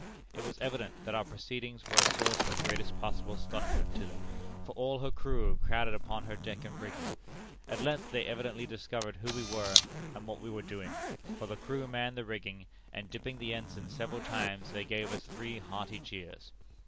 It was evident that our proceedings were a source of the greatest possible astonishment to them, for all her crew crowded upon her deck and rigging. At length they evidently discovered who we were, and what we were doing, for the crew manned the rigging, and dipping the ensign several times they gave us three hearty cheers.